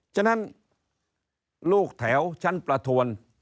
ฉะนั้นลูกแถวชั้นประทวน